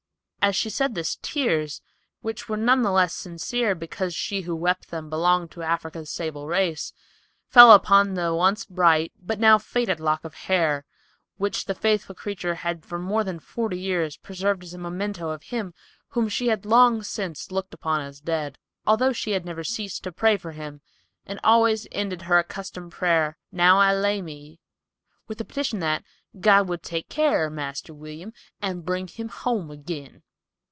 As she said this tears, which were none the less sincere because she who wept them belonged to Africa's sable race, fell upon the once bright but now faded lock of hair, which the faithful creature had for more than forty years preserved as a memento of him whom she had long since looked upon as dead, although she had never ceased to pray for him, and always ended her accustomed prayer, "Now I lay me—" with the petition that "God would take keer of Marster William and bring him home again."